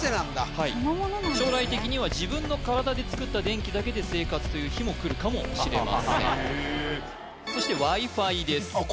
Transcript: はい将来的には自分の体で作った電気だけで生活という日もくるかもしれませんそしてＷｉ−Ｆｉですあっ